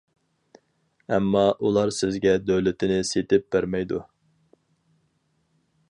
ئەمما ئۇلار سىزگە دۆلىتىنى سېتىپ بەرمەيدۇ.